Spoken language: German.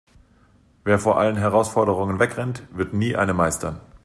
Wer vor allen Herausforderungen wegrennt, wird nie eine meistern.